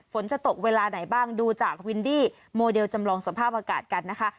ฝนจะตกเวลาไหนบ้างดูจากวินดี้โมเดลจำลองสภาพอากาศกันนะคะ